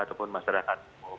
atau masyarakat umum